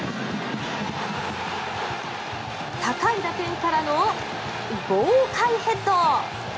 高い打点からの豪快ヘッド！